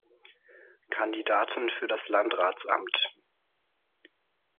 Kandidaten für das Landratsamt.